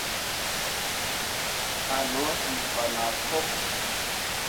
A no cii fana fok.